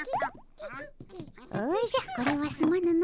おじゃこれはすまぬの。